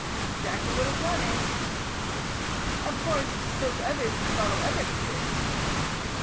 '" "Exactly what is wanted." "Of course, those others can follow other careers."